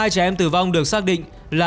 hai trẻ em tử vong được xác định là